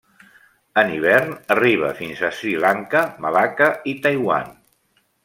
En hivern arriba fins a Sri Lanka, Malacca i Taiwan.